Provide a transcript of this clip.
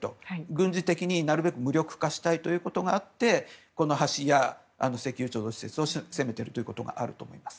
軍事的になるべく無力化したいというのがあってこの橋や石油貯蔵施設を攻めているということがあると思います。